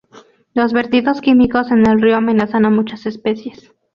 Los vertidos químicos en el río amenazan a muchas especies.